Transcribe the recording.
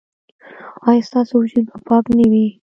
ایا ستاسو وجود به پاک نه وي؟